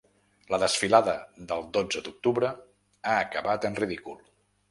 La desfilada del dotze d’octubre ha acabat en ridícul.